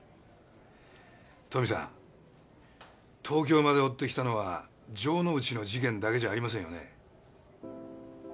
東京まで追ってきたのは城之内の事件だけじゃありませんよね？